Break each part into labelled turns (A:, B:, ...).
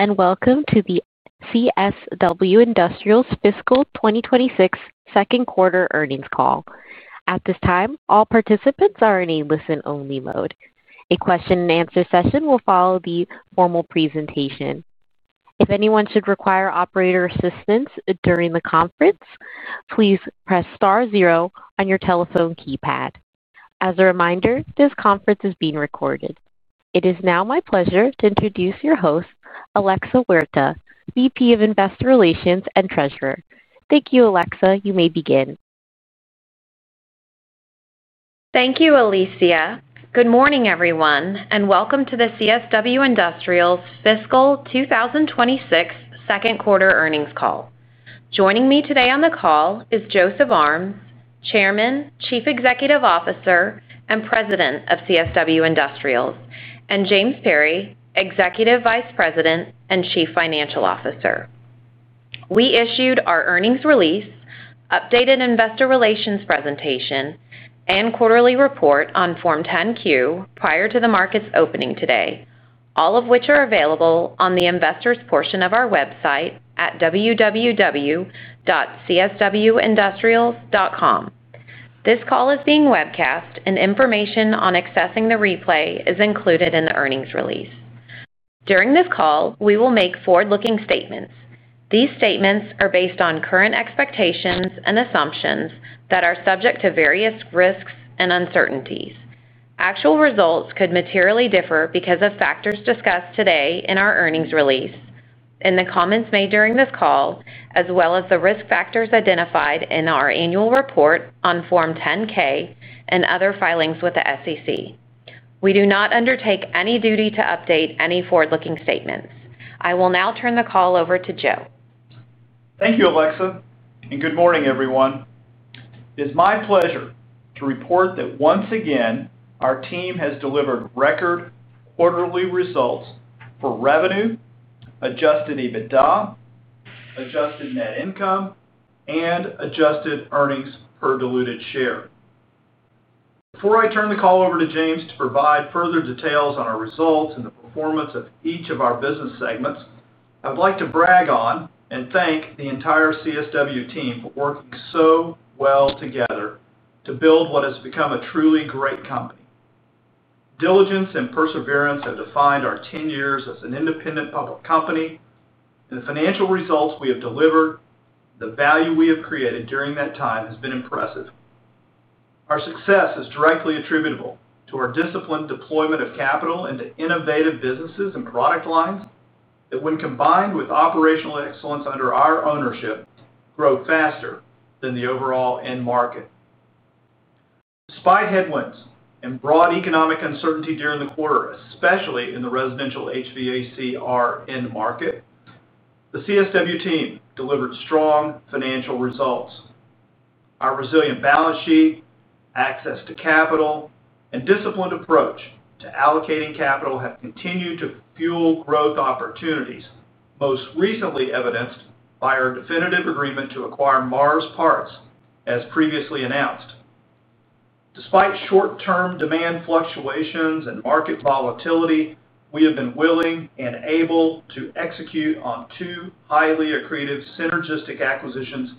A: Hello and welcome to the CSW Industrials Fiscal 2026 Second Quarter Earnings Call. At this time, all participants are in a listen only mode. A question and answer session will follow the formal presentation. If anyone should require operator assistance during the conference, please press star zero on your telephone keypad. As a reminder, this conference is being recorded. It is now my pleasure to introduce your host, Alexa Huerta, VP of Investor Relations and Treasurer. Thank you, Alexa. You may begin.
B: Thank you, Alicia. Good morning everyone and welcome to the CSW Industrials Fiscal 2026 Second Quarter Earnings Call. Joining me today on the call is Joseph Armes, Chairman, Chief Executive Officer and President of CSW Industrials, and James Perry, Executive Vice President and Chief Financial Officer. We issued our earnings release, updated Investor Relations presentation, and quarterly report on Form 10-Q prior to the market's opening today, all of which are available on the investors portion of our website at www.cswindustrials.com. This call is being webcast, and information on accessing the replay is included in the earnings release. During this call we will make forward-looking statements. These statements are based on current expectations and assumptions that are subject to various risks and uncertainties. Actual results could materially differ because of factors discussed today in our earnings release, in the comments made during this call, as well as the risk factors identified in our annual report on Form 10-K and other filings with the SEC. We do not undertake any duty to update any forward-looking statements. I will now turn the call over to Joe.
C: Thank you, Alexa, and good morning, everyone. It is my pleasure to report that once again our team has delivered record quarterly results for revenue, adjusted EBITDA, adjusted net income, and adjusted earnings per diluted share. Before I turn the call over to James, to provide further details on our results and the performance of each of our business segments, I'd like to brag on and thank the entire CSW team for working so well together to build what has become a truly great company. Diligence and perseverance have defined our 10 years as an independent public company. The financial results we have delivered, the value we have created during that time, has been impressive. Our success is directly attributable to our disciplined deployment of capital into innovative businesses and product lines that, when combined with operational excellence under our ownership, grow faster than the overall end market. Despite headwinds and broad economic uncertainty during the quarter, especially in the residential HVAC/R end market, the CSW team delivered strong financial results. Our resilient balance sheet, access to capital, and disciplined approach to allocating capital have continued to fuel growth opportunities, most recently evidenced by our definitive agreement to acquire Mars Parts as previously announced. Despite short-term demand fluctuations and market volatility, we have been willing and able to execute on two highly accretive, synergistic acquisitions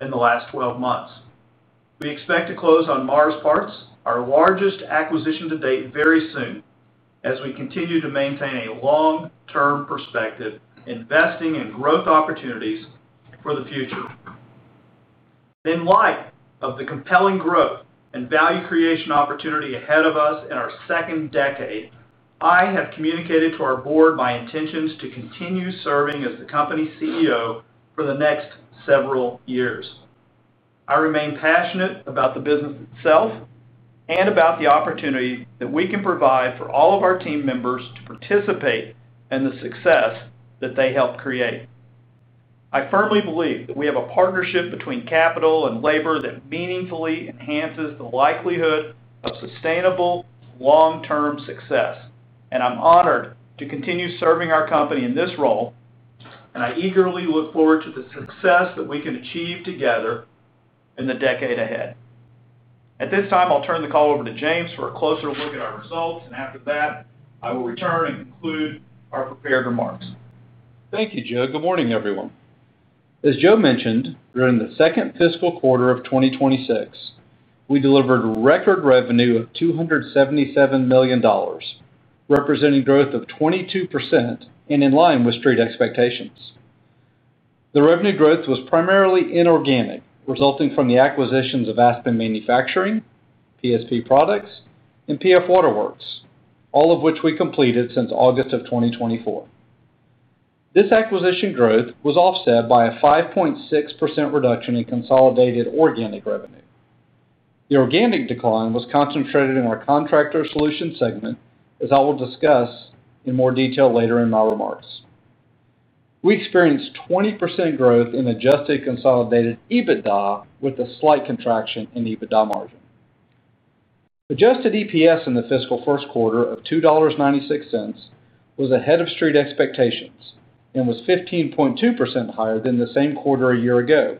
C: in the last 12 months. We expect to close on Mars Parts, our largest acquisition to date, very soon as we continue to maintain a long-term perspective investing in growth opportunities for the future. In light of the compelling growth and value creation opportunity ahead of us in our second decade, I have communicated to our board my intentions to continue serving as the company's CEO for the next several years. I remain passionate about the business itself and about the opportunity that we can provide for all of our team members to participate in the success that they helped create. I firmly believe that we have a partnership between capital and labor that meaningfully enhances the likelihood of sustainable long-term success, and I'm honored to continue serving our company in this role. I eagerly look forward to the success that we can achieve together in the decade ahead. At this time, I'll turn the call over to James for a closer look at our results, and after that I will return and conclude our prepared remarks.
D: Thank you, Joe. Good morning, everyone. As Joe mentioned, during the second fiscal quarter of 2026, we delivered record revenue of $277 million, representing growth of 22% and in line with Street expectations. The revenue growth was primarily inorganic, resulting from the acquisitions of Aspen Manufacturing, PSP Products, and PF Waterworks, all of which we completed since August of 2024. This acquisition growth was offset by a 5.6% reduction in consolidated organic revenue. The organic decline was concentrated in our Contractor Solutions segment. As I will discuss in more detail later in my remarks. We experienced 20% growth in adjusted consolidated EBITDA with a slight contraction in EBITDA margin. Adjusted EPS in the fiscal first quarter of $2.96 was ahead of Street expectations and was 15.2% higher than the same quarter a year ago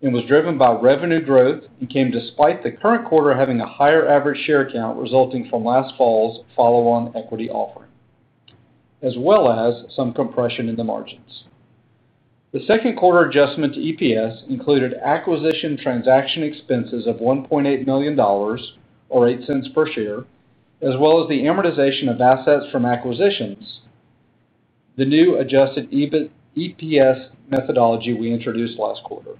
D: and was driven by revenue growth and came despite the current quarter having a higher average share count resulting from last fall's follow-on equity offering as well as some compression in the margins. The second quarter adjustment to EPS included acquisition transaction expenses of $1.8 million or $0.08 per share, as well as the amortization of assets from acquisitions. The new adjusted EPS methodology we introduced last quarter.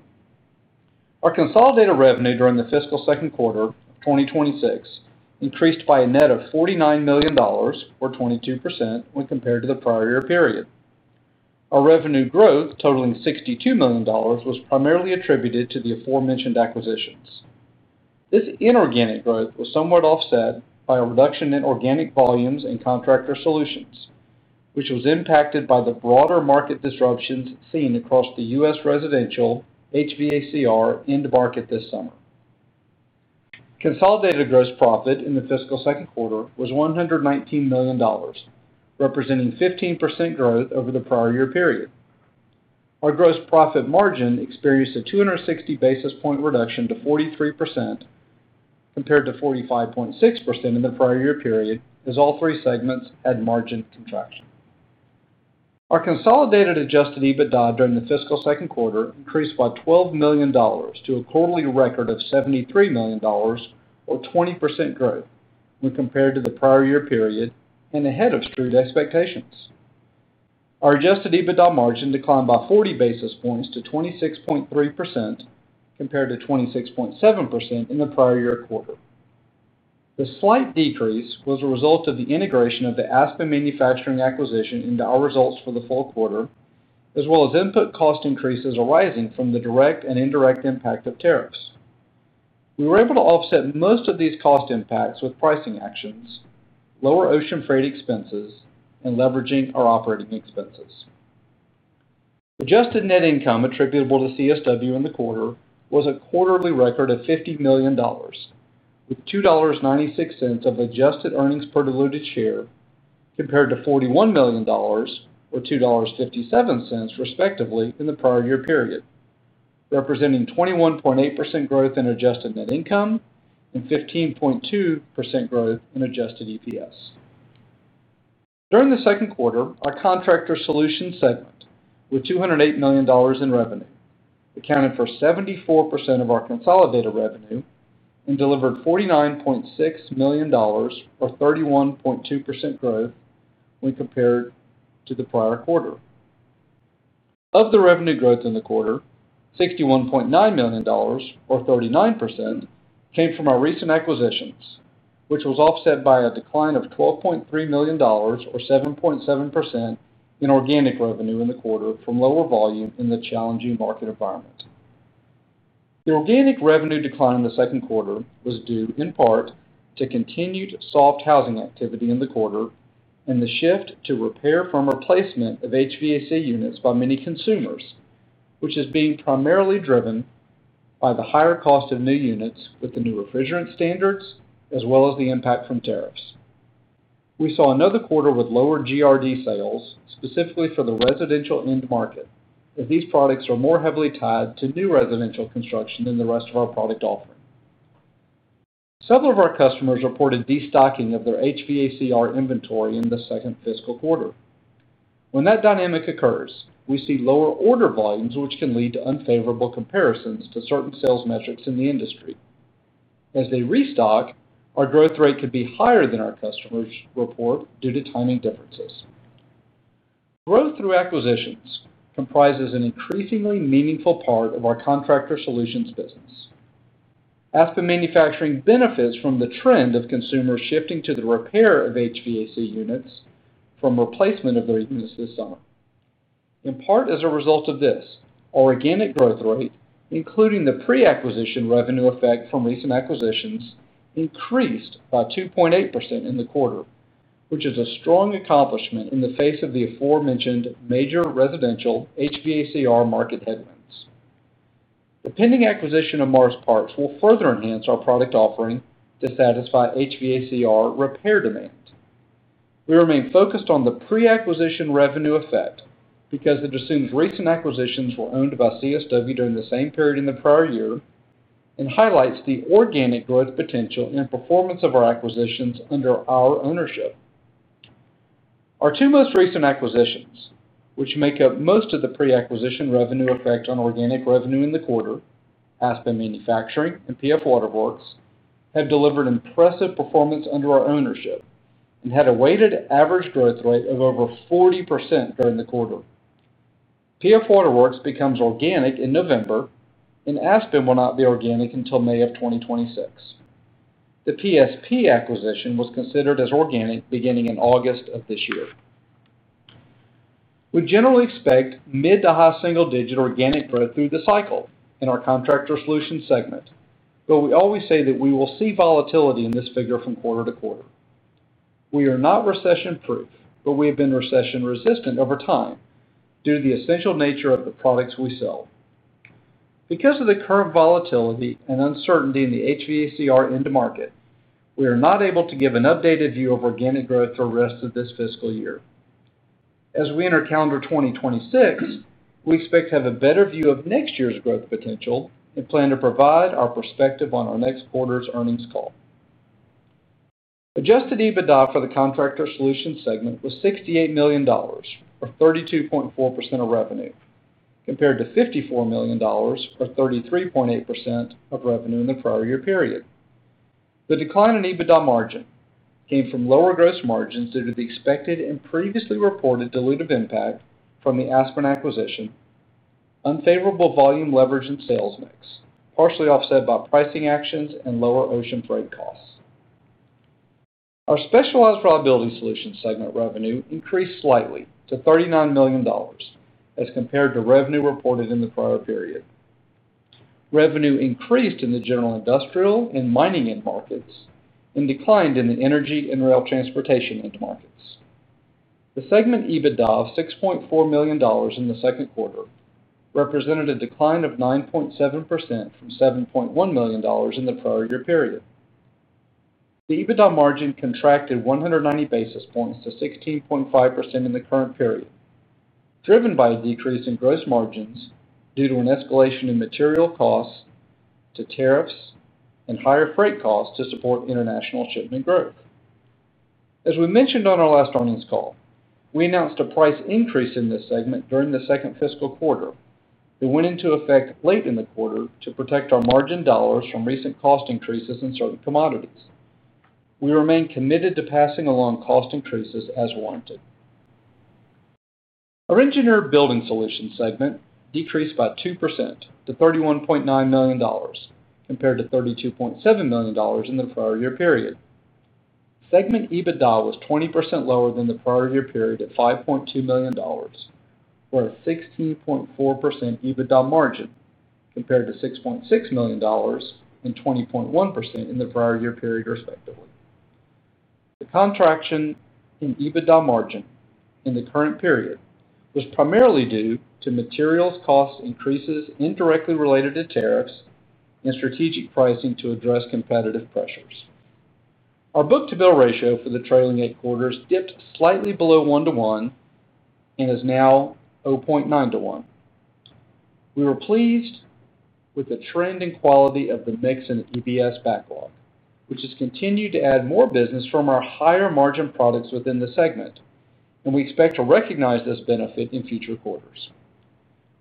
D: Our consolidated revenue during the fiscal second quarter 2026 increased by a net of $49 million, or 22% when compared to the prior year period. Our revenue growth totaling $62 million was primarily attributed to the aforementioned acquisitions. This inorganic growth was somewhat offset by a reduction in organic volumes in Contractor Solutions, which was impacted by the broader market disruptions seen across the U.S. residential HVAC/R end market this summer. Consolidated gross profit in the fiscal second quarter was $119 million, representing 15% growth over the prior year period. Our gross profit margin experienced a 260 basis point reduction to 43% compared to 45.6% in the prior year period as all three segments had margin contraction. Our consolidated adjusted EBITDA during the fiscal second quarter increased by $12 million to a quarterly record of $73 million or 20% growth when compared to the prior year period and ahead of Street expectations. Our adjusted EBITDA margin declined by 40 basis points to 26.3% compared to 26.7% in the prior year quarter. The slight decrease was a result of the integration of the Aspen Manufacturing acquisition into our results for the full quarter as well as input cost increases arising from the direct and indirect impact of tariffs. We were able to offset most of these cost impacts with pricing actions, lower ocean freight expenses, and leveraging our operating expenses. Adjusted net income attributable to CSW in the quarter was a quarterly record of $50 million with $2.96 of adjusted earnings per diluted share compared to $41 million or $2.57 respectively in the prior year period, representing 21.8% growth in adjusted net income and 15.2% growth in adjusted EPS during the second quarter. Our Contractor Solutions segment, with $208 million in revenue, accounted for 74% of our consolidated revenue and delivered $49.6 million, or 31.2% growth when compared to the prior quarter. Of the revenue growth in the quarter, $61.9 million, or 39%, came from our recent acquisitions, which was offset by a decline of $12.3 million, or 7.7% in organic revenue in the quarter from lower volume in the challenging market environment. The organic revenue decline in the second quarter was due in part to continued soft housing activity in the quarter and the shift to repair from replacement of HVAC units by many consumers, which is being primarily driven by the higher cost of new units with the new refrigerant standards as well as the impact from tariffs. We saw another quarter with lower GRD sales specifically for the residential end market as these products are more heavily tied to new residential construction than the rest of our product offering. Several of our customers reported destocking of their HVAC/R inventory in the second fiscal quarter. When that dynamic occurs, we see lower order volumes which can lead to unfavorable comparisons to certain sales metrics in the industry as they restock, our growth rate could be higher than our customers report due to timing differences. Growth through acquisitions comprises an increasingly meaningful part of our Contractor Solutions business. Aspen Manufacturing benefits from the trend of consumers shifting to the repair of HVAC units from replacement of their units this summer. In part as a result of this, organic growth rate including the pre-acquisition revenue effect from recent acquisitions increased by 2.8% in the quarter, which is a strong accomplishment in the face of the aforementioned major residential HVAC/R market headwinds. The pending acquisition of Mars Parts will further enhance our product offering to satisfy HVAC/R repair demand. We remain focused on the pre-acquisition revenue effect because it assumes recent acquisitions were owned by CSW during the same period in the prior year and highlights the organic growth potential and performance of our acquisitions under our ownership. Our two most recent acquisitions, which make up most of the pre-acquisition revenue effect on organic revenue in the quarter, Aspen Manufacturing and PF WaterWorks, have delivered impressive performance under our ownership and had a weighted average growth rate of over 40% during the quarter. PF WaterWorks becomes organic in November and Aspen will not be organic until May of 2026. The PSP Products acquisition was considered as organic beginning in August of this year. We generally expect mid to high single-digit organic growth through the cycle in our Contractor Solutions segment, but we always say that we will see volatility in this figure from quarter to quarter. We are not recession proof, but we have been recession resistant over time due to the essential nature of the products we sell. Because of the current volatility and uncertainty in the HVAC/R end market, we are not able to give an updated view of organic growth for the rest of this fiscal year. As we enter calendar 2026, we expect to have a better view of next year's growth potential and plan to provide our perspective on our next quarter's earnings call. Adjusted EBITDA for the Contractor Solutions segment was $68 million or 32.4% of revenue compared to $54 million or 33.8% of revenue in the prior year period. The decline in EBITDA margin came from lower gross margins due to the expected and previously reported dilutive impact from the Aspen acquisition, unfavorable volume leverage and sales mix, partially offset by pricing actions and lower ocean freight costs. Our Specialized Reliability Solutions segment revenue increased slightly to $39 million as compared to revenue reported in the prior period. Revenue increased in the general industrial and mining end markets and declined in the energy and rail transportation end market. The segment EBITDA of $6.4 million in the second quarter represented a decline of 9.7% from $7.1 million in the prior year period. The EBITDA margin contracted 190 basis points to 16.5% in the current period, driven by a decrease in gross margins due to an escalation in material costs due to tariffs and higher freight costs to support international shipment growth. As we mentioned on our last earnings call, we announced a price increase in this segment during the second fiscal quarter. It went into effect late in the quarter to protect our margin dollars from recent cost increases in certain commodities. We remain committed to passing along cost increases as warranted. Engineered Building Solutions segment decreased by 2% to $31.9 million compared to $32.7 million in the prior year period. Segment EBITDA was 20% lower than the prior year period at $5.2 million for a 16.4% EBITDA margin compared to $6.6 million and 20.1% in the prior year period, respectively. The contraction in EBITDA margin in the current period was primarily due to materials cost increases indirectly related to tariffs and strategic pricing to address competitive pressures. Our book-to-bill ratio for the trailing eight quarters dipped slightly below 1 to 1 and is now 0.9 to 1. We were pleased with the trend and quality of the mix and EBS backlog, which has continued to add more business from our higher margin products within the segment, and we expect to recognize this benefit in future quarters.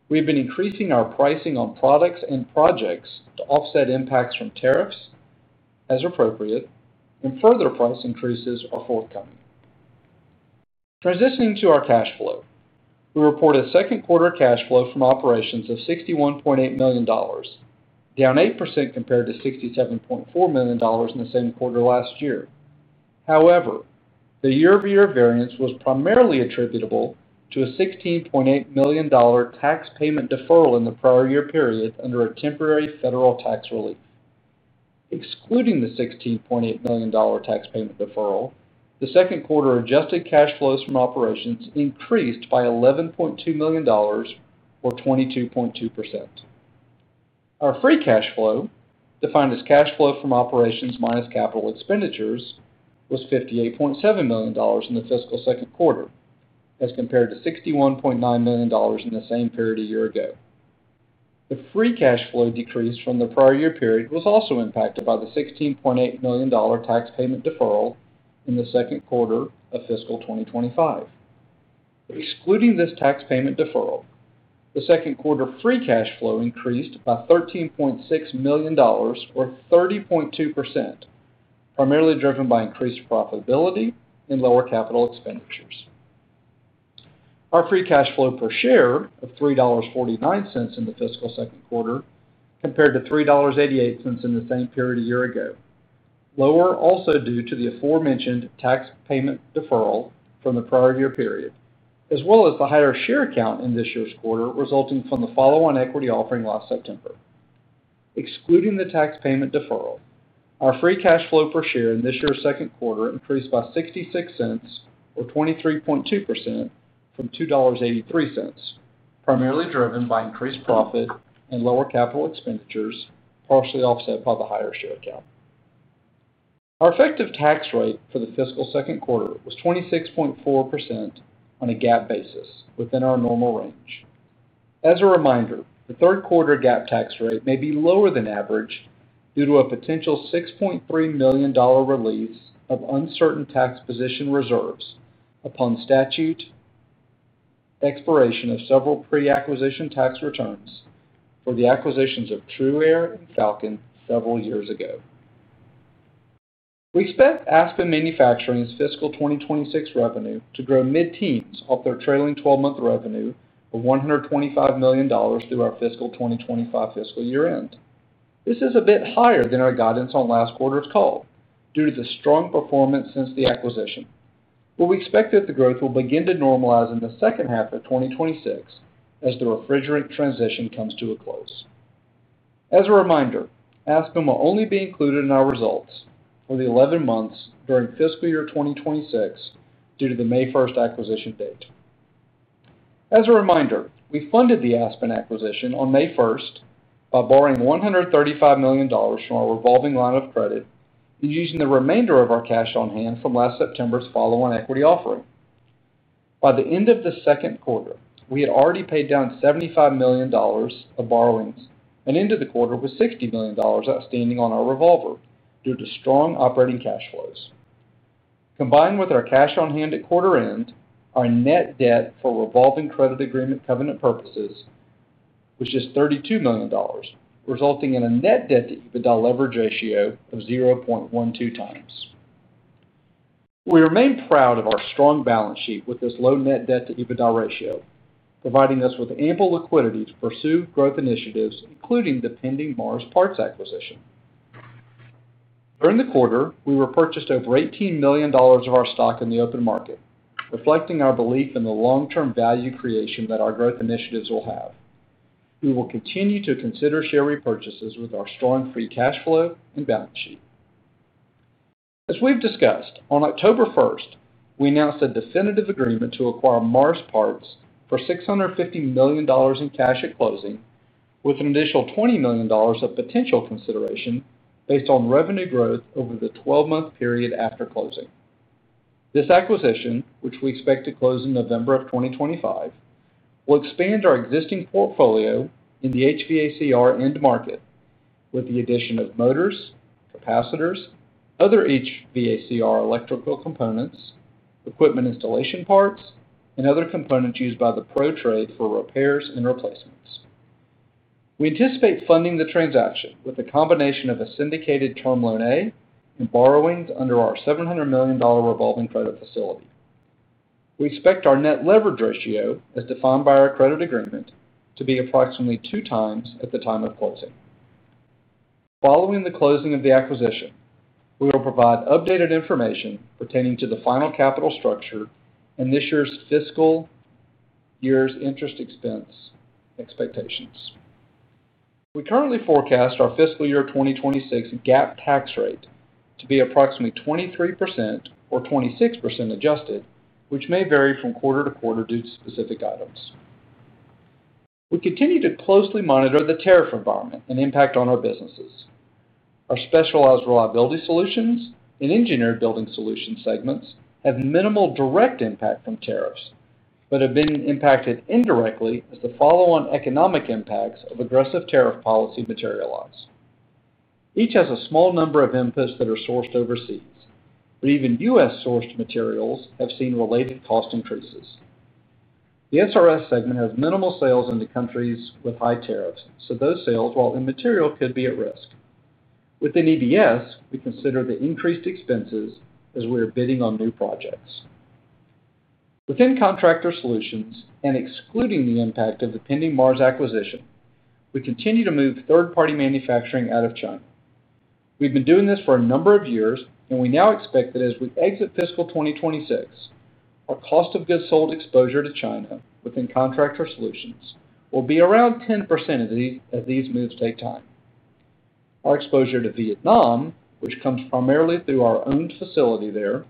D: We have been increasing our pricing on products and projects to offset impacts from tariffs as appropriate, and further price increases are forthcoming. Transitioning to our cash flow, we reported second quarter cash flow from operations of $61.8 million, down 8% compared to $67.4 million in the same quarter last year. However, the year over year variance was primarily attributable to a $16.8 million tax payment deferral in the prior year period under a temporary federal tax relief. Excluding the $16.8 million tax payment deferral, the second quarter adjusted cash flows from operations increased by $11.2 million or 22.2%. Our free cash flow, defined as cash flow from operations minus capital expenditures, was $58.7 million in the fiscal second quarter as compared to $61.9 million in the same period a year ago. The free cash flow decrease from the prior year period was also impacted by the $16.8 million tax payment deferral in the second quarter of fiscal 2025. Excluding this tax payment deferral, the second quarter free cash flow increased by $13.6 million, or 30.2%, primarily driven by increased profitability and lower capital expenditures. Our free cash flow per share of $3.49 in the fiscal second quarter compared to $3.88 in the same period a year ago, lower also due to the aforementioned tax payment deferral from the prior year period as well as the higher share count in this year's quarter resulting from the follow-on equity offering last September. Excluding the tax payment deferral, our free cash flow per share in this year's second quarter increased by $0.66, or 23.2%, from $2.83, primarily driven by increased profit and lower capital expenditures, partially offset by the higher share count. Our effective tax rate for the fiscal second quarter was 26.4% on a GAAP basis within our normal range. As a reminder, the third quarter GAAP tax rate may be lower than average due to a potential $6.3 million release of uncertain tax position reserves upon statute expiration of several pre-acquisition tax returns for the acquisitions of TruAire and Falcon several years ago. We expect Aspen Manufacturing's fiscal 2026 revenue to grow mid-teens off their trailing twelve month revenue of $125 million through our fiscal 2025 fiscal year end. This is a bit higher than our guidance on last quarter's call due to the strong performance since the acquisition, but we expect that the growth will begin to normalize in the second half of 2026 as the refrigerant transition comes to a close. As a reminder, Aspen will only be included in our results for the 11 months during fiscal year 2026 due to the May 1st acquisition date. As a reminder, we funded the Aspen acquisition on May 1st by borrowing $135 million from our revolving line of credit and using the remainder of our cash on hand from last September's follow-on equity offering. By the end of the second quarter, we had already paid down $75 million of borrowings and ended the quarter with $60 million outstanding on our revolver. Due to strong operating cash flows combined with our cash on hand at quarter end, our net debt for revolving credit agreement covenant purposes was just $32 million, resulting in a net debt to EBITDA leverage ratio of 0.12 times. We remain proud of our strong balance sheet with this low net debt to EBITDA ratio, providing us with ample liquidity to pursue growth initiatives including the pending Mars Parts acquisition. During the quarter, we repurchased over $18 million of our stock in the open market, reflecting our belief in the long term value creation that our growth initiatives will have. We will continue to consider share repurchases with our strong free cash flow and balance sheet. As we've discussed, on October 1st we announced a definitive agreement to acquire Mars Parts for $650 million in cash at closing, with an additional $20 million of potential consideration based on revenue growth over the 12-month period after closing. This acquisition, which we expect to close in November of 2025, will expand our existing portfolio in the HVAC/R end market with the addition of motors, capacitors, other HVAC/R electrical components, equipment installation parts, and other components used by the pro trade for repairs and replacements. We anticipate funding the transaction with a combination of a syndicated term loan and borrowings under our $700 million revolving credit facility. We expect our net leverage ratio as defined by our credit agreement to be approximately two times at the time of closing. Following the closing of the acquisition, we will provide updated information pertaining to the final capital structure and this fiscal year's interest expense expectations. We currently forecast our fiscal year 2026 GAAP tax rate to be approximately 23% or 26% adjusted, which may vary from quarter to quarter due to specific items. We continue to closely monitor the tariff environment and impact on our businesses. Our Engineered Building Solutions segments have minimal direct impact from tariffs but have been impacted indirectly as the follow-on economic impacts of aggressive tariff policy materialize. Each has a small number of inputs that are sourced overseas. Even U.S. sourced materials have seen related cost increases. The SRS segment has minimal sales in the countries with high tariffs, so those sales, while immaterial, could be at risk. Within EBS, we consider the increased expenses as we are bidding on new projects within Contractor Solutions and excluding the impact of the pending Mars Parts acquisition. We continue to move third party manufacturing out of China. We've been doing this for a number of years and we now expect that as we exit fiscal 2026, our cost of goods sold exposure to China within Contractor Solutions will be around 10% as these moves take time. Our exposure to Vietnam, which comes primarily through our owned facility there,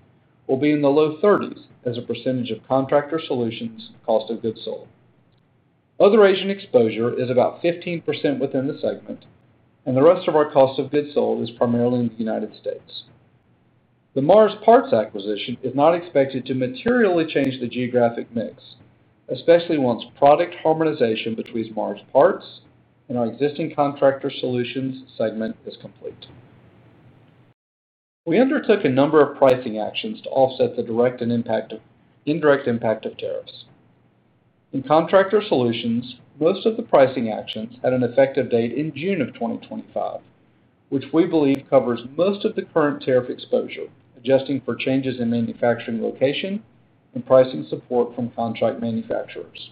D: will be in the low 30s as a percentage of Contractor Solutions cost of goods sold. Other Asian exposure is about 15% within the segment, and the rest of our cost of goods sold is primarily in the United States. The Mars Parts acquisition is not expected to materially change the geographic mix, especially once product harmonization between Mars Parts and our existing Contractor Solutions segment is complete. We undertook a number of pricing actions to offset the indirect impact of tariffs in Contractor Solutions. Most of the pricing actions had an effective date in June 2025, which we believe covers most of the current tariff exposure, adjusting for changes in manufacturing location and pricing support from contract manufacturers.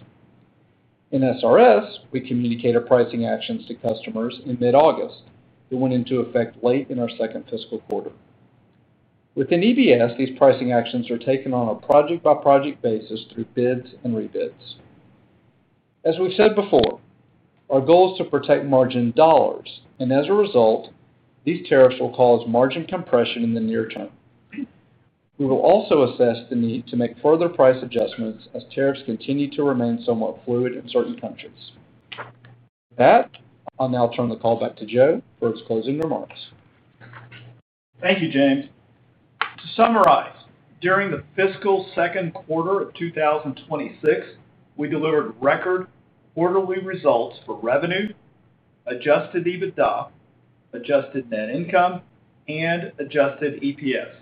D: In SRS, we communicated pricing actions to customers in mid-August that went into effect late in our second fiscal quarter. Within EBS, these pricing actions are taken on a project-by-project basis through bids and rebids. As we've said before, our goal is to protect margin dollars, and as a result, these tariffs will cause margin compression in the near term. We will also assess the need to make further price adjustments as tariffs continue to remain somewhat fluid in certain countries. With that, I'll now turn the call back to Joe for his closing remarks.
C: Thank you, James. To summarize, during the fiscal second quarter of 2026, we delivered record quarterly results for revenue, adjusted EBITDA, adjusted net income, and adjusted EPS.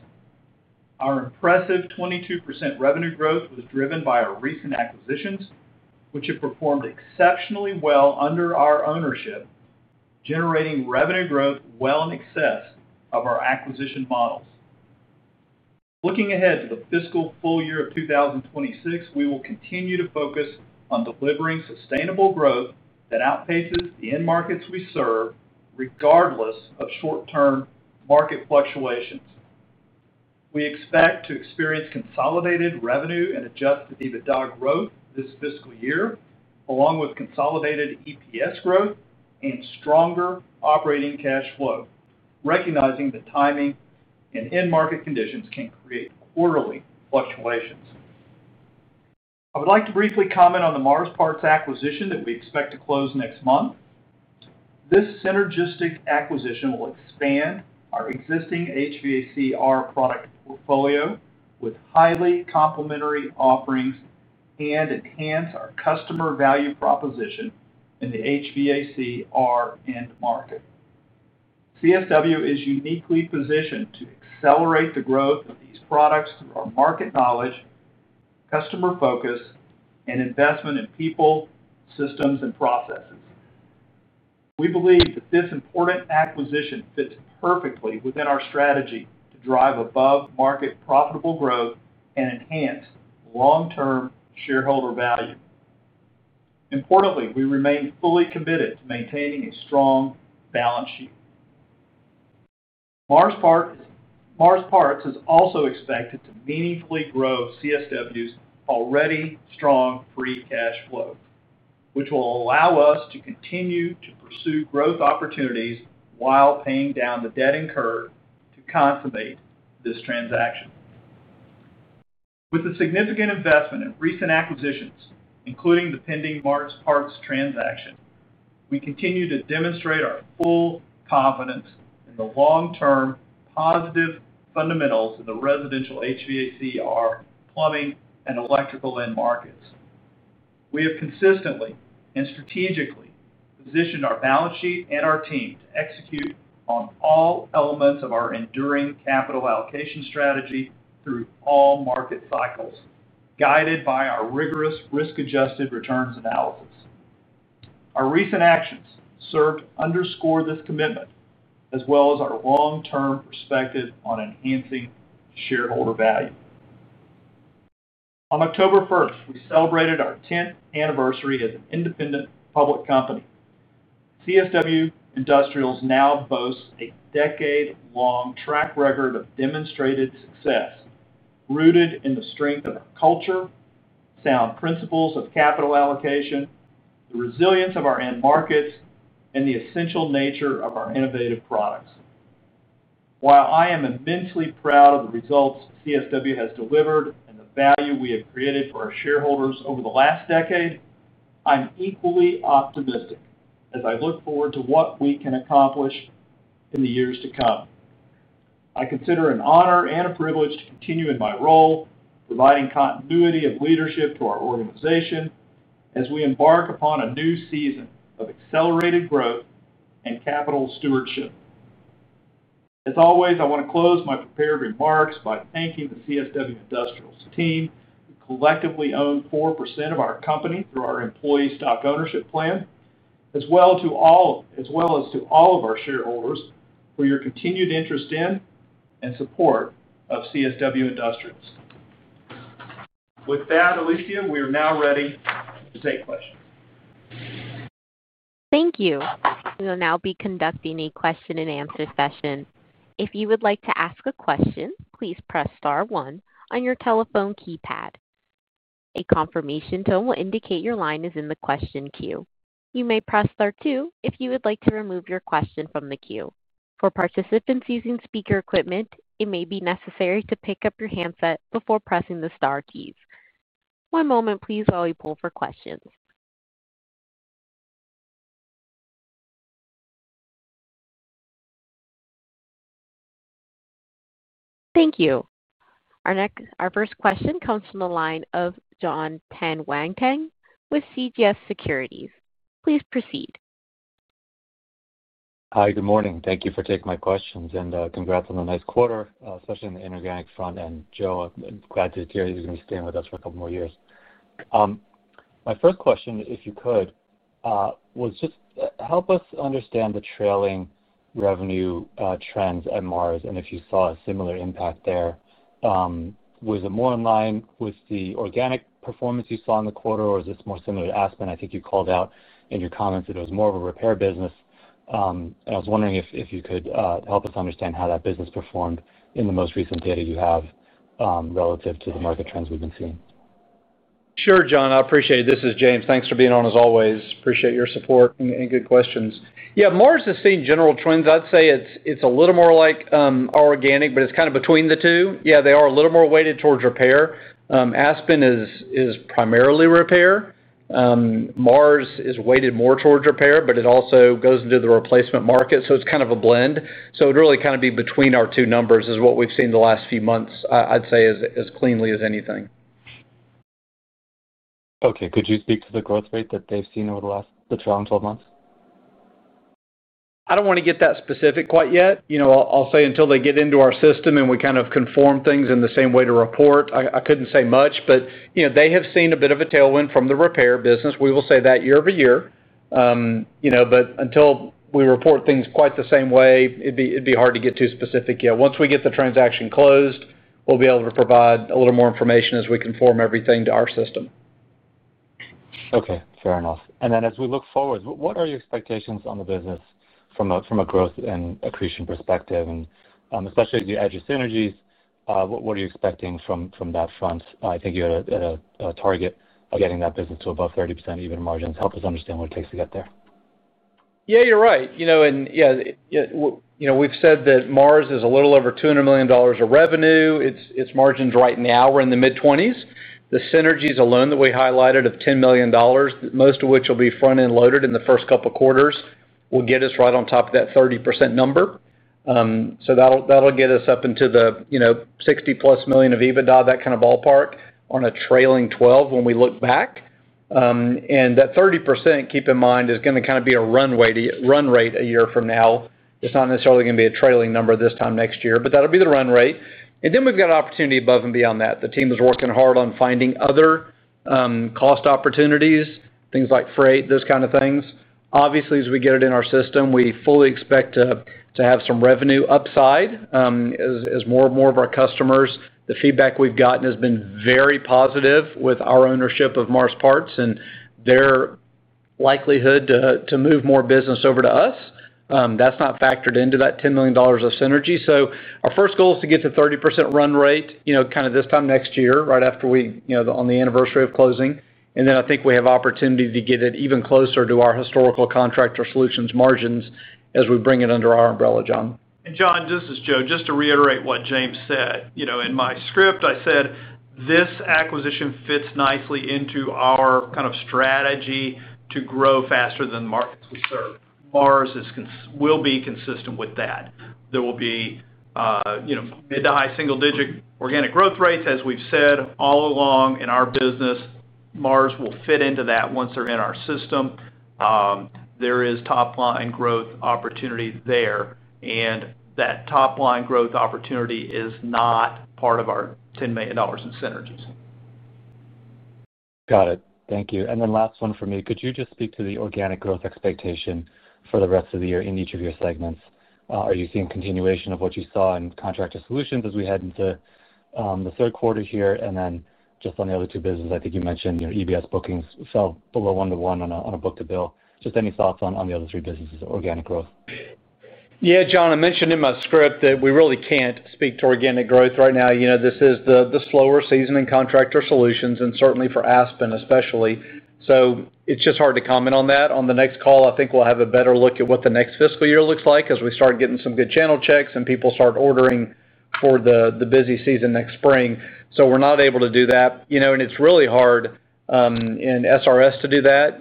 C: Our impressive 22% revenue growth was driven by our recent acquisitions, which have performed exceptionally well under our ownership, generating revenue growth well in excess of our acquisition models. Looking ahead to the fiscal full year of 2026, we will continue to focus on delivering sustainable growth that outpaces the end markets we serve, regardless of short-term market fluctuations. We expect to experience consolidated revenue and adjusted EBITDA growth this fiscal year, along with consolidated EPS growth and stronger operating cash flow. Recognizing the timing and end market conditions can create quarterly fluctuations, I would like to briefly comment on the Mars Parts acquisition that we expect to close next month. This synergistic acquisition will expand our existing HVAC/R product portfolio with highly complementary offerings and enhance our customer value proposition. The HVAC/R end market, CSW is uniquely positioned to accelerate the growth of these products through our market knowledge, customer focus, and investment in people, systems, and processes. We believe that this important acquisition fits perfectly within our strategy to drive above-market profitable growth and enhance long-term shareholder value. Importantly, we remain fully committed to maintaining a strong balance sheet. Mars Parts is also expected to meaningfully grow CSW's already strong free cash flow, which will allow us to continue to pursue growth opportunities while paying down the debt incurred to consummate this transaction. With the significant investment in recent acquisitions, including the pending Mars Parts transaction, we continue to demonstrate our full confidence in the long-term positive fundamentals in the residential HVAC/R, our plumbing, and electrical end markets. We have consistently and strategically positioned our balance sheet and our team to execute on all elements of our enduring capital allocation strategy through all market cycles, guided by our rigorous risk-adjusted returns analysis. Our recent actions serve to underscore this commitment as well as our long-term perspective on enhancing shareholder value. On October 1st, we celebrated our 10th anniversary as an independent public company. CSW Industrials now boasts a decade-long track record of demonstrated success rooted in the strength of our culture, sound principles of capital allocation, the resilience of our end markets, and the essential nature of our innovative products. While I am immensely proud of the results CSW has delivered and the value we have created for our shareholders over the last decade, I'm equally optimistic as I look forward to what we can accomplish in the years to come. I consider it an honor and a privilege to continue in my role providing continuity of leadership to our organization as we embark upon a new season of accelerated growth and capital stewardship. As always, I want to close my prepared remarks by thanking the CSW Industrials team, who collectively own 4% of our company through our employee stock ownership plan. As to all of our shareholders for your continued interest in and support of CSW Industrials. With that, Alexa, we are now ready to take questions.
A: Thank you. We will now be conducting a question and answer session. If you would like to ask a question, please press star one on your telephone keypad. A confirmation tone will indicate your line is in the question queue. You may press star two if you would like to remove your question from the queue. For participants using speaker equipment, it may be necessary to pick up your handset before pressing the star keys. One moment please while we pull for questions. Thank you. Our first question comes from the line of Jonathan Tanwanteng with CGS Securities. Please proceed.
E: Hi, good morning. Thank you for taking my questions and congrats on a nice quarter, especially on the inorganic front. Joe graduated. He's going to be staying with us for a couple more years. My first question, if you could, was just help us understand the trailing revenue trends at Mars and if you saw a similar impact, or was it more in line with the organic performance saw in the quarter is this more similar to Aspen? I think you called out in your comments that it was more of a repair business. I was wondering if you could help us understand how that business performed in the most recent data you have relative to the market trends we've been seeing.
D: Sure, Jon, I appreciate it. This is James. Thanks for being on. As always, appreciate your support and good questions. Yeah, Mars has seen general trends. I'd say it's a little more like organic, but it's kind of between the two. They are a little more weighted towards repair. Aspen is primarily repair. Mars is weighted more towards repair, but it also goes into the replacement market. It's kind of a blend. It really kind of be between our two numbers is what we've seen the last few months, I'd say as cleanly as anything.
E: Okay, could you speak to the growth rate that they've seen over the last 12 months?
D: I don't want to get that specific quite yet. I'll say until they get into our system and we kind of conform things in the same way to report, I couldn't say much, but they have seen a bit of a tailwind from the repair business. We will say that year over year, but until we report things quite the same way, it'd be hard to get too specific. Yet once we get the transaction closed, we'll be able to provide a little more information as we conform everything to our system.
E: Okay, fair enough. As we look forward, what are your expectations on the business from a growth and accretion perspective, and especially as you add your synergies, what are you expecting from that front? I think you had a target of getting that business to above 30% EBITDA margins. Help us understand what it takes to get there.
D: Yeah, you're right. You know, we've said that Mars is a little over $200 million of revenue. Its margins right now are in the mid-20%. The synergies alone that we highlighted of $10 million, most of which will be front end loaded in the first couple quarters, will get us right on top of that 30% number. That'll get us up into the $60+ million of EBITDA, that kind of ballpark on a trailing 12 when we look back. That 30%, keep in mind, is going to kind of be a run rate a year from now. It's not necessarily going to be a trailing number this time next year, but that'll be the run rate. We have got opportunity above. Beyond that, the team is working hard on finding other cost opportunities, things like freight, those kind of things. Obviously, as we get it in our system, we fully expect to have some revenue upside as more and more of our customers. The feedback we've gotten has been very positive with our ownership of Mars Parts and their likelihood to move more business over to us. That's not factored into that $10 million of synergy. Our first goal is to get to 30% run rate, you know, kind of this time next year right after we, you know, on the anniversary of closing. I think we have opportunity to get it even closer to our historical Contractor Solutions margins as we bring it under our umbrella, Jon.
C: Jon, this is Joe. Just to reiterate what James said, in my script, I said this acquisition fits nicely into our kind of strategy to grow faster than the markets we serve. Mars will be consistent with that. There will be mid to high single digit organic growth rates. As we've said all along in our business, Mars will fit into that once they're in our system. There is top line growth opportunity there, and that top line growth opportunity is not part of our $10 million in synergies.
E: Got it, thank you. Last one for me, could you just speak to the organic growth expectation for the rest of the year in each of your segments? Are you seeing continuation of what you saw in Contractor Solutions as we head into the third quarter here? Just on the other two businesses, I think you mentioned your EBS bookings fell below 1:1 on a book-to-bill, just any thoughts on the other three businesses, organic growth?
D: Yeah, Jon, I mentioned in my script that we really can't speak to organic growth right now. You know, this is the slower season in Contractor Solutions and certainly for Aspen especially, so it's just hard to comment on that. On the next call, I think we'll have a better look at what the next fiscal year looks like as we start getting some good channel checks and people start ordering for the busy season next spring. We're not able to do that, you know, and it's really hard in SRS to do that.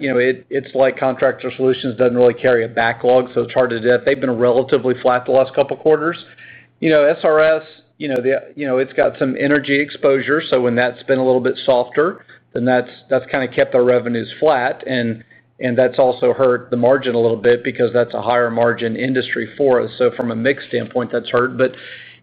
D: Contractor Solutions doesn't really carry a backlog, so it's hard to do that. They've been relatively flat the last couple quarters. SRS, you know, it's got some energy exposure. When that's been a little bit softer, then that's kind of kept our revenues flat and that's also hurt the margin a little bit because that's a higher margin industry for us. From a mix standpoint that's hurt.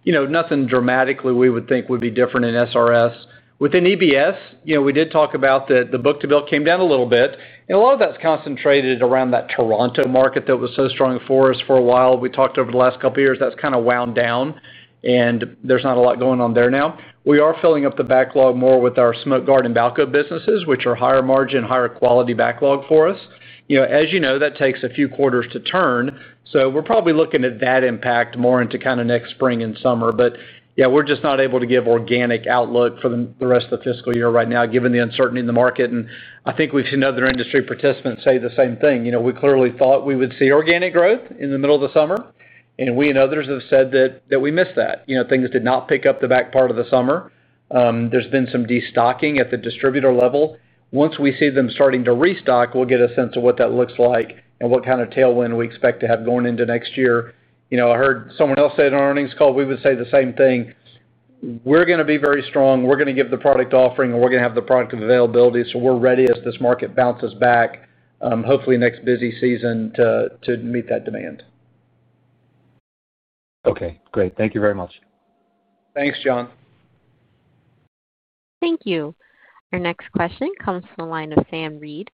D: Nothing dramatically we would think would be different in SRS within EBS. We did talk about that. The book-to-bill came down a little bit and a lot of that. Concentrated around that Toronto market that was so strong for us for a while. We talked about over the last couple years that's kind of wound down and there's not a lot going on there. Now we are filling up the backlog more with our Smoke Guard vaco businesses, which are higher margin, higher quality backlog for us. As you know, that takes a few quarters to turn. We're probably looking at that impact more into kind of next spring and summer. We're just not able to give organic outlook for the rest of the fiscal year right now given the uncertainty in the market. I think we've seen other industry participants say the same thing. We clearly thought we would see organic growth in the middle of the summer and we and others have said that we missed that things did not pick up the back part of the summer. There's been some destocking at the distributor level. Once we see them starting to restock, we'll get a sense of what that looks like and what kind of tailwind we expect to have going into next year. I heard someone else say in our earnings call, we would say the same thing. We're going to be very strong. We're going to give the product offering and we're going to have the product availability. We're ready as this market bounces back, hopefully next busy season to meet that demand.
E: Okay, great. Thank you very much.
D: Thanks, John.
A: Thank you. Our next question comes from the line of Sam Reid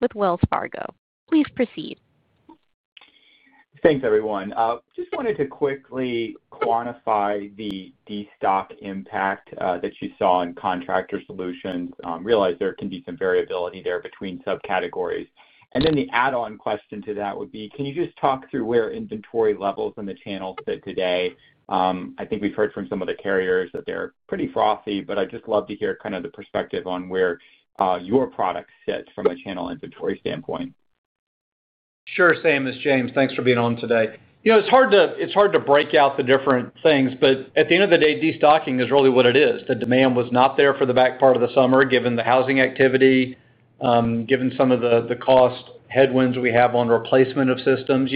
A: with Wells Fargo. Please proceed.
F: Thanks everyone. Just wanted to quickly quantify the destock impact that you saw in Contractor Solutions. Realize there can be some variability there between subcategories. The add on question to that would be can you just talk through where inventory levels in the channel sit today? I think we've heard from some of the carriers that they're pretty frothy, but I'd just love to hear kind of the perspective on where your product sits from a channel inventory standpoint.
D: Sure. Sam, it's James. Thanks for being on today. It's hard to break out the different things, but at the end of the day, destocking is really what it is. The demand was not there for the back part of the summer, given the housing activity, given some of the cost headwinds we have on replacement of systems.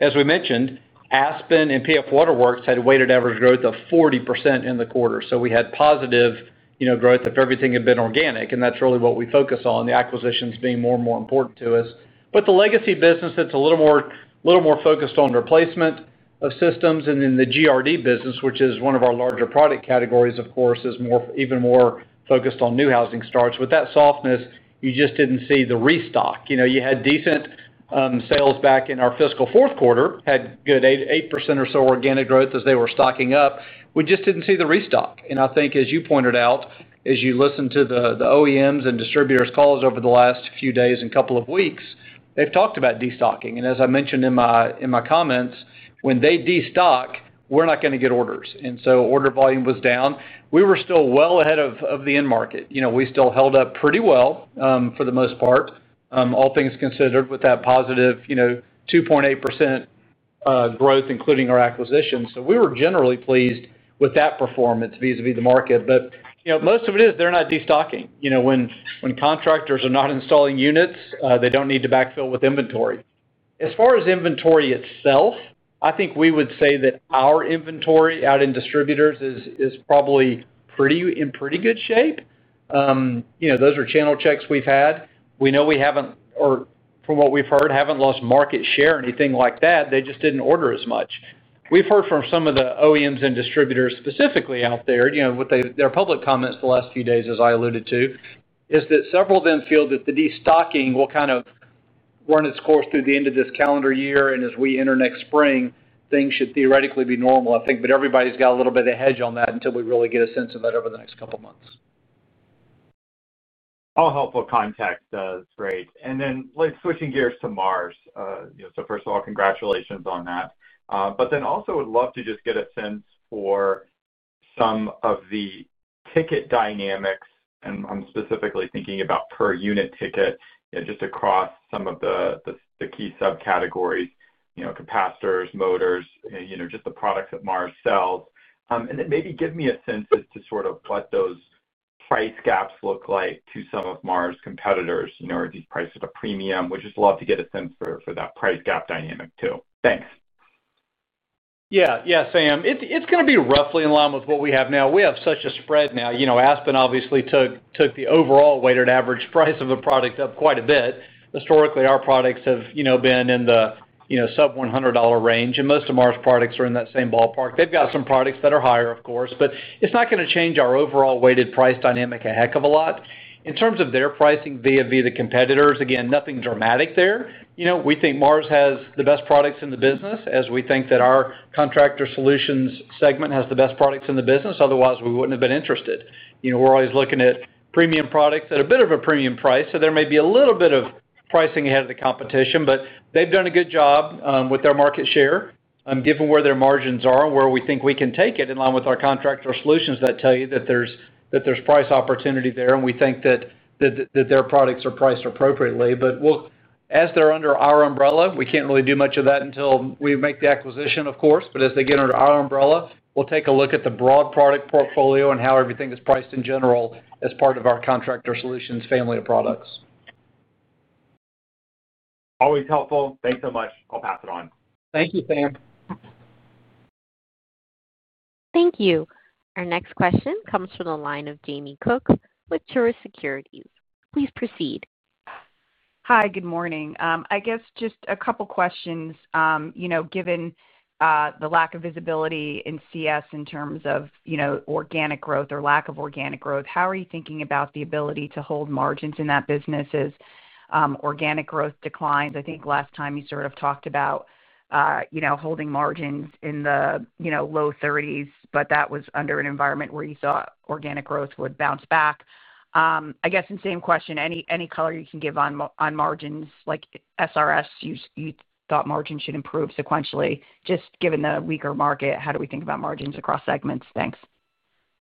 D: As we mentioned, Aspen and PF WaterWorks had weighted average growth of 40% in the quarter. We had positive growth if everything had been organic, and that's really what we focus on, the acquisitions being more and more important to us. The legacy business, that's a little more focused on replacement of systems, and then the GRD business, which is one of our larger product categories, of course, is even more focused on new housing starts with that softness. You just didn't see the restock. You had decent sales back in our fiscal fourth quarter, had good 8% or so organic growth as they were stocking up. We just didn't see the restock. I think, as you pointed out, as you listen to the OEMs and distributors calls over the last few days and couple of weeks, they've talked about destocking. As I mentioned in my comments, when they destocked, we're not going to get orders, and so order volume was down. We were still well ahead of the end market. We still held up pretty well for the most part, all things considered, with that positive 2.8% growth, including our acquisitions. We were generally pleased with that performance vis a vis the market. Most of it is they're not destocking. When contractors are not installing units, they don't need to backfill with inventory. As far as inventory itself, I think we would say that our inventory out in distributors is probably in pretty good shape. Those are channel checks we've had. We know we haven't, or from what we've heard, haven't lost market share, anything like that. They just didn't order as much. We've heard from some of the OEMs and distributors specifically out there. Their public comments the last few days, as I alluded to, is that several of them feel that the destocking will kind of run its course through the end of this calendar year as we enter next spring, things should theoretically be normal, I think. Everybody's got a little bit of hedge on that until we really get a sense of that over the next couple of months.
F: All helpful contact. That's great. Switching gears to Mars, first of all, congratulations on that. I would love to just get a sense for some of the ticket dynamics. I'm specifically thinking about per unit ticket just across some of the key subcategories, you know, capacitors, motors, just the products that Mars sells. Maybe give me a sense as to what those price gaps look like to some of Mars competitors. You know, are these prices at a premium? We'd just love to get a sense for that price gap dynamic, too. Thanks.
D: Yeah, Sam, it's going to be roughly in line with what we have now. We have such a spread now. You know, Aspen obviously took the overall weighted average price of a product up quite a bit. Historically, our products have been in the sub-$100 range, and most of Mars products are in that same ballpark. They've got some products that are higher, of course, but it's not going to change our overall weighted price dynamic a heck of a lot in terms of their pricing vis-à-vis the competitive competitors. Again, nothing dramatic there. We think Mars has the best products in the business as we think that our Contractor Solutions segment has the best products in the business. Otherwise we wouldn't have been interested. We're always looking at premium products at a bit of a premium price. There may be a little bit of pricing ahead of the competition, but they've done a good job with their market share. Given where their margins are, where we think we can take it in line with our Contractor Solutions, that tells you that there's price opportunity there. We think that their products are priced appropriately, but as they're under our umbrella, we can't really do much of that until we make the acquisition, of course. As they get under our umbrella, we'll take a look at the broad product portfolio and how everything is priced in general as part of our Contractor Solutions family of products.
F: Always helpful. Thanks so much. I'll pass it on.
D: Thank you, Sam.
A: Thank you. Our next question comes from the line of Jamie Cook with Truist Securities. Please proceed.
G: Hi. Good morning. I guess just a couple questions. Given the lack of visibility in CSW in terms of organic growth or lack of organic growth, how are you thinking about the ability to hold margins in that business as organic growth declines? I think last time you talked about holding margins in the low 30%, but that was under an environment where you thought organic growth would bounce back. I guess the same question, any color you can give on Specialized Reliability Solutions, you thought margin should improve sequentially. Just given the weaker market, how do we think about margins across segments? Thanks.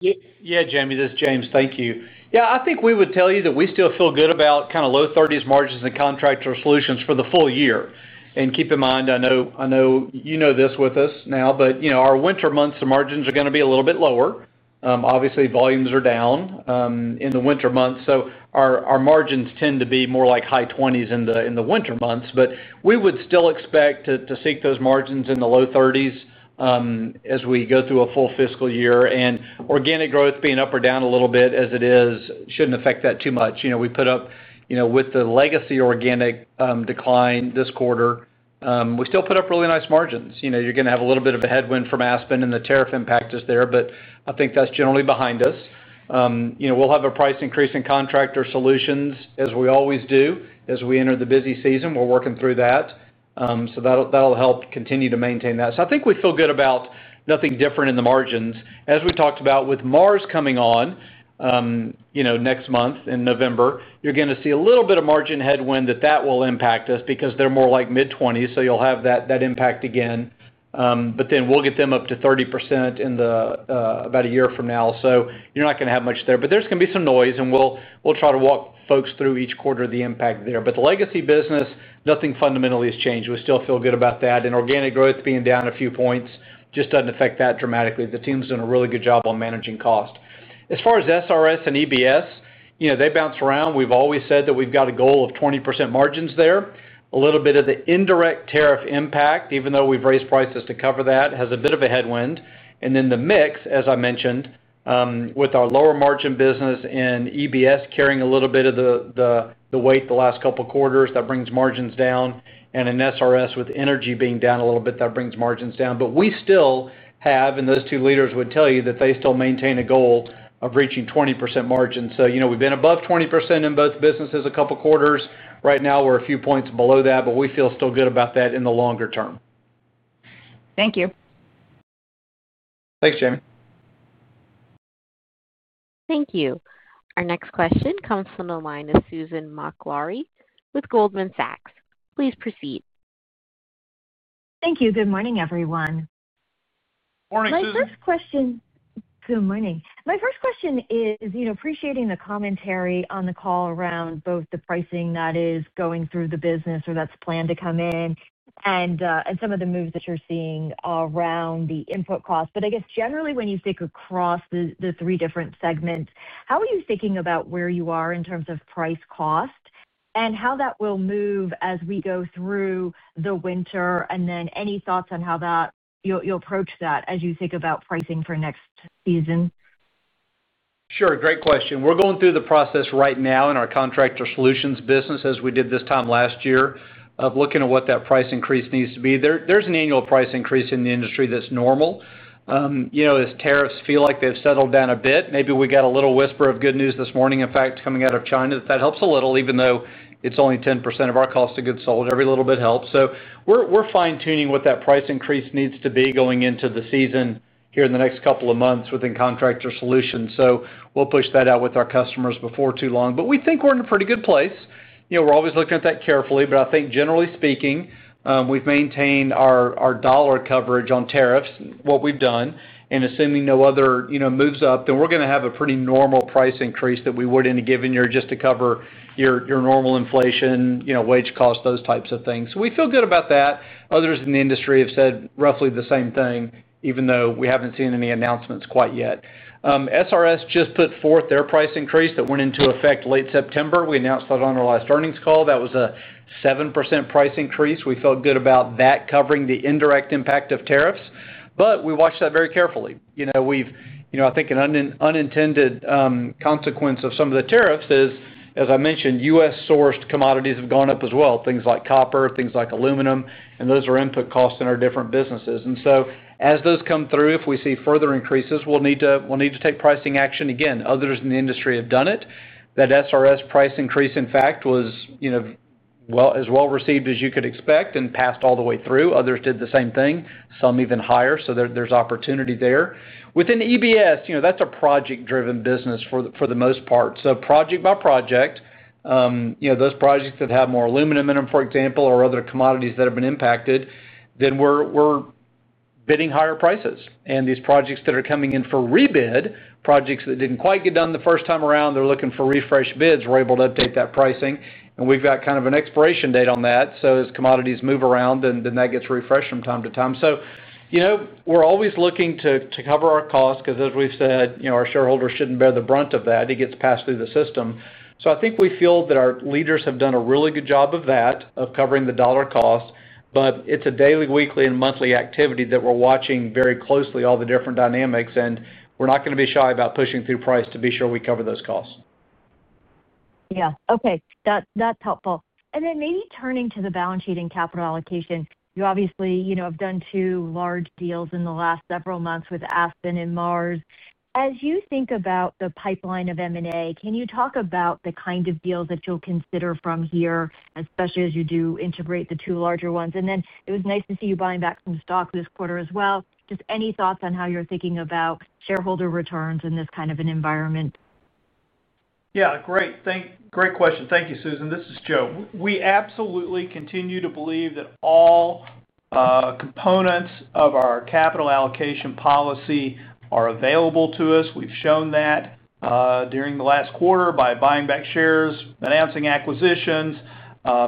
D: Yeah, Jamie, this is James. Thank you. Yeah, I think we would tell you. That we still feel good about kind of low 30% margins in Contractor Solutions for the full year. Keep in mind, I know you know this with us now, but our winter months, the margins are going to be a little bit lower. Obviously, volumes are down in the winter months, so our margins tend to be more like high 20% in the winter months. We would still expect to see those margins in the low 30% as we go through a full fiscal year. Organic growth being up or down a little bit as it is shouldn't affect that too much. We put up with the legacy organic decline this quarter, we still put up really nice margins. You're going to have a little bit of a headwind from Aspen and the tariff impact is there, but I think that's generally behind us. We'll have a price increase in Contractor Solutions, as we always do as we enter the busy season. We're working through that, so that'll help continue to maintain that. I think we feel good about nothing different in the margins. As we talked about with Mars Parts coming on next month in November, you're going to see a little bit of margin headwind that will impact us because they're more like mid-20%, so you'll have that impact again, but then we'll get them up to 30% in about a year from now. You're not going to have much there, but there's going to be some noise and we'll try to walk folks through each quarter, the impact there. The legacy business, nothing fundamentally has changed. We still feel good about that. Organic growth being down a few points just doesn't affect that dramatically. The team's done a really good job on Engineered Building Solutions, they bounce around. We've always said that we've got a goal of 20% margins there. A little bit of the indirect tariff impact, even though we've raised prices to cover, that has a bit of a headwind. The mix, as I mentioned, with our Engineered Building Solutions carrying a little bit of the weight the last couple quarters, that brings margins down and in Specialized Reliability Solutions with energy being down a little bit, that brings margins down. We still have, and those two leaders would tell you that they still maintain a goal of reaching 20% margin. We've been above 20% in both businesses a couple quarters right now. We're a few points below that, but we feel still good about that in the longer term.
G: Thank you.
D: Thanks, Jamie.
A: Thank you. Our next question comes from the line of Susan Maklari with Goldman Sachs. Please proceed.
H: Thank you. Good morning, everyone.
D: Morning.
H: Good morning. My first question is, you know, appreciating the commentary on the call around both the pricing that is going through the business or that's planned to come in, and some of the moves that you're seeing around the input cost. I guess generally, when you think across the three different segments, how are you thinking about where you are in terms of price, cost, and how that will move as we go through the winter? Any thoughts on how you'll approach that as you think about pricing for next season.
D: Sure, great question. We're going through the process right now in our Contractor Solutions business, as we did this time last year, of looking at what that price increase needs to be. There's an annual price increase in the industry that's normal. As tariffs feel like they've settled down a bit, maybe. We got a little whisper of good news this morning, in fact, coming out of China, that helps a little. Even though it's only 10% of our cost of goods sold, every little bit helps. We're fine tuning what that price increase needs to be going into the season here in the next couple of months within Contractor Solutions. We'll push that out with our customers before too long. We think we're in a pretty good place. We're always looking at that carefully. I think generally speaking, we've maintained our dollar coverage on tariffs. What we've done and assuming no other moves up, we're going to have a pretty normal price increase that we would in a given year just to cover your normal inflation wage cost, those types of things. We feel good about that. Others in the industry have said roughly the same thing, even though we haven't seen any announcements quite yet. SRS just put forth their price increase that went into effect late September. We announced that on our last earnings. That was a 7% price increase. We felt good about that coverage, the indirect impact of tariffs, but we watch that very carefully. I think an unintended consequence of some of the tariffs is, as I mentioned, U.S. sourced commodities have gone up as well. Things like copper, things like aluminum, and those are input costs in our different businesses. As those come through, if we see further increases, we'll need to take pricing action again. Others in the industry have done it. That SRS price increase in fact was as well received as you could expect and passed all the way through. Others did the same thing, some even higher. There's opportunity there. Within EBS, that's a project-driven business for the most part. Project by project, those projects that have more aluminum in them, for example, or other commodities that have been impacted, we're bidding higher prices. These projects that are coming in for rebid, projects that didn't quite get done the first time around, they're looking for refresh bids. We're able to update that price and we've got kind of an expiration date on that. As commodities move around, that gets refreshed from time to time. We're always looking to cover our costs because, as we've said, our shareholders shouldn't bear the brunt of that. It gets passed through the system. I think we feel that our leaders have done a really good job of that, of covering the dollar cost. It's a daily, weekly, and monthly activity that we're watching very closely, all the different dynamics. We're not going to be shy about pushing through price to be sure we cover those costs.
H: Yes. Okay, that's helpful. Maybe turning to the balance sheet and capital allocation, you obviously have done two large deals in the last several months with Aspen Manufacturing and Mars Parts. As you think about the pipeline of M&A, can you talk about the kind of deals that you'll consider from here, especially as you do integrate the two larger ones? It was nice to see you buying back some stock this quarter as well. Just any thoughts on how you're thinking about shareholder returns in this kind of an environment?
C: Yes, great question. Thank you. Susan, this is Joe. We absolutely continue to believe that all components of our capital allocation policy are available to us. We've shown that during the last quarter by buying back shares, announcing acquisitions,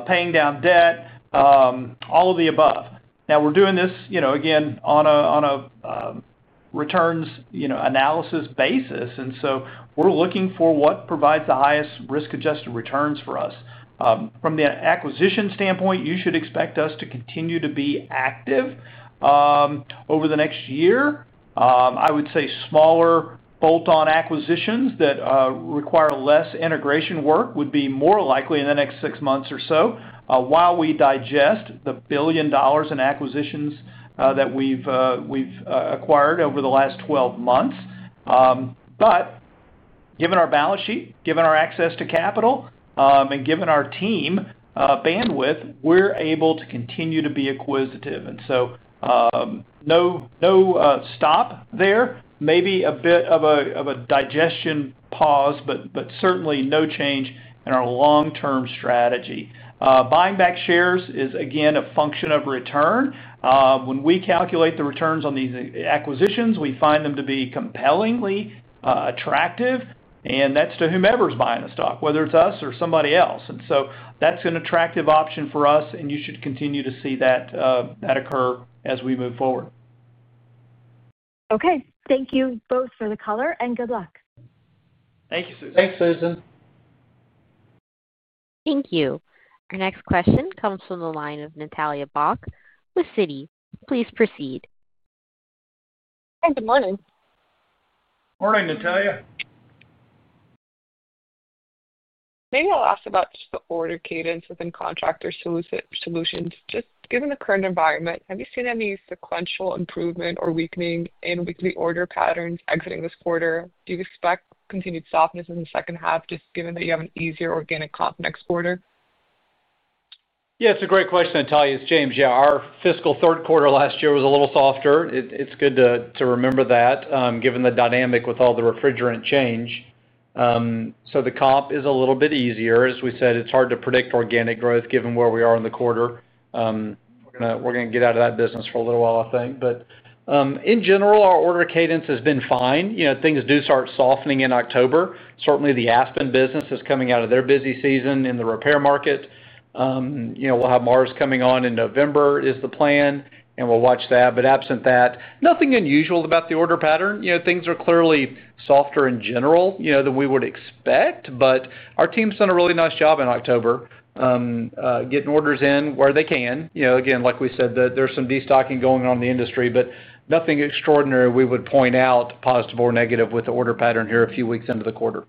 C: paying down debt, all of the above. Now we're doing this again on a returns analysis basis. We are looking for what provides the highest risk-adjusted returns for us from the acquisition standpoint. You should expect us to continue to be active over the next year. I would say smaller bolt-on acquisitions that require less integration work would be more likely in the next six months or so while we digest the $1 billion in acquisitions that we've acquired over the last 12 months. Given our balance sheet, given our access to capital and given our team bandwidth, we're able to continue to be acquisitive. No, stop there. Maybe a bit of a digestion pause, but certainly no change in our long term strategy. Buying back shares is again a function of return. When we calculate the returns on these acquisitions, we find them to be compellingly attractive. That's to whomever's buying the stock, whether it's us or somebody else. That's an attractive option for us and you should continue to see that occur as we move forward.
H: Okay, thank you both for the color and good luck.
C: Thank you.
D: Thanks, Susan.
A: Thank you. Our next question comes from the line of Natalia Bak with Citi. Please proceed.
I: Good morning.
D: Morning, Natalia.
I: Maybe I'll ask about just the order cadence within Contractor Solutions, just given the current environment. Have you seen any sequential improvement or weakening in weekly order patterns exiting this quarter? Do you expect continued softness in the second half just given that you have an easier organic comp next quarter?
D: Yeah, it's a great question. Natalia, it's James. Yeah, our fiscal third quarter last year was a little softer. It's good to remember that given the dynamic with all the refrigerant change. The comp is a little bit easier. As we said, it's hard to predict organic growth given where we are in the quarter. We're going to get out of that business for a little while, I think. In general, our order cadence has been fine. Things do start softening in October. Certainly the Aspen business is coming out of their busy season in the repair market. We'll have Mars Parts coming on in November is the plan, and we'll watch that. Absent that, nothing unusual about the order pattern, things are clearly softer in general than we would expect. But our team's done a really nice job in October getting orders in where they can. Again, like we said, there's some destocking going on in the industry, but nothing extraordinary we would point out, positive or negative, with the order pattern here a few weeks into the quarter.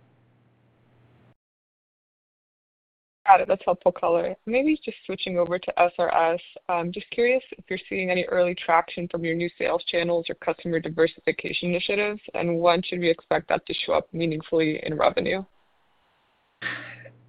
I: Got it. That's helpful color, maybe just switching over to SRS. Just curious if you're seeing any early traction from your new sales channels or customer diversification initiatives. When should we expect that to show up meaningfully in revenue?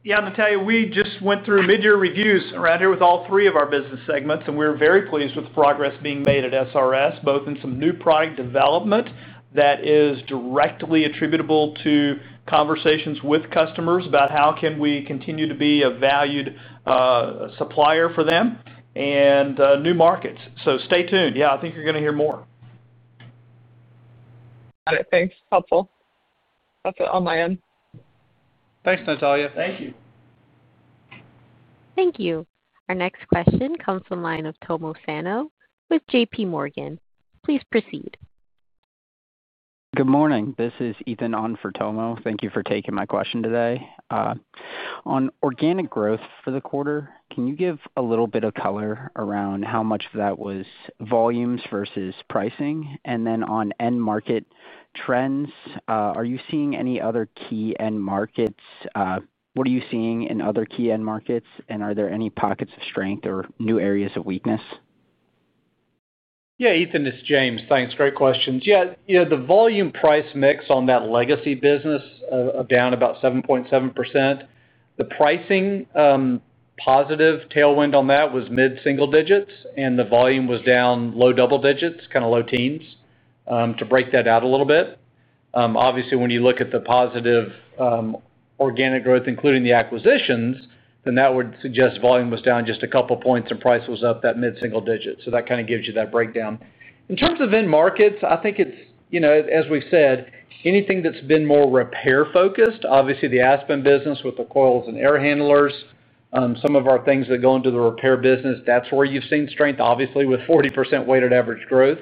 D: Yeah, Natalia, we just went through midyear reviews around here with all three of our business segments, and we're very pleased with the progress being made at SRS, both in some new product development that is directly attributable to conversations with customers about how can we continue to be a valued supplier for them and new markets. Stay tuned. I think you're going to hear more.
J: Thanks. Helpful. That's on my end.
D: Thanks, Natalia.
C: Thank you.
A: Thank you. Our next question comes on line of Tomo Fano with JPMorgan. Please proceed.
K: Good morning, this is Ethan on for Tomo. Thank you for taking my question today on organic growth for the quarter. Can you give a little bit of color around how much of that was volumes versus pricing? On end market trends, are you seeing any other key end markets? What are you seeing in other key end markets and are there any pockets of strength or new areas of weakness?
D: Yeah, Ethan, it's James. Thanks. Great question. The volume price mix on that legacy business down about 7.7%. The pricing positive tailwind on that was mid single digits, and the volume was down low double digits, kind of low teens to break that out a little bit. Obviously, when you look at the positive organic growth, including the acquisitions, that would suggest volume was down just a couple points and price was up that mid single digit. That kind of gives you that breakdown in terms of end markets. I think it's, you know, as we said anything that's been more repair focused. Obviously the Aspen business with the coils and air handlers, some of our things that go into the repair business, that's where you've seen strength, obviously with Ford, 40% weighted average growth.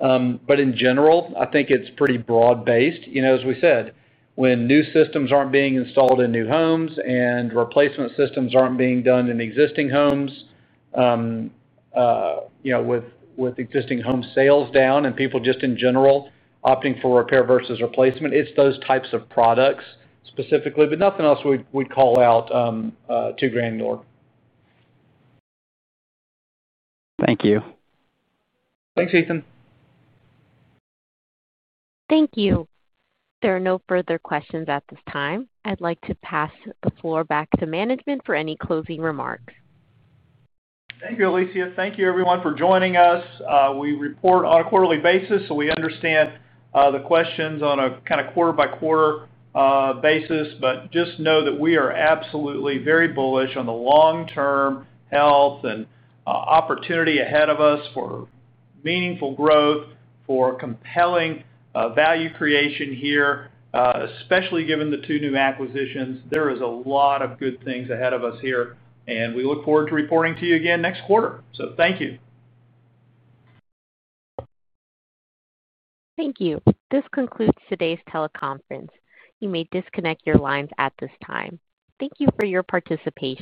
D: In general, I think it's pretty broad based. You know, as we said, when new systems aren't being installed in new homes and replacement systems aren't being done in existing homes, with existing home sales down and people just in general opting for repair versus replacement, it's those types of products specifically. Nothing else we'd call out to granular.
K: Thank you.
D: Thanks, Ethan.
A: Thank you. There are no further questions at this time. I'd like to pass the floor back to management for any closing remarks.
D: Thank you, Alicia. Thank you everyone for joining us. We report on a quarterly basis, so we understand the questions on a kind of quarter by quarter basis. Just know that we are absolutely very bullish on the long term. Long term health and opportunity ahead of us for meaningful growth, for compelling value creation here, especially given the two new acquisitions. There are a lot of good things ahead of us here and we look forward to reporting to you again next quarter. Thank you.
A: Thank you. This concludes today's teleconference. You may disconnect your lines at this time. Thank you for your participation.